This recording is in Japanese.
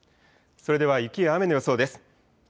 それでは雪や雨の予想です。